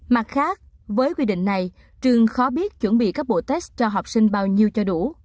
mặt khác với quy định này trường khó biết chuẩn bị các bộ test cho học sinh bao nhiêu cho đủ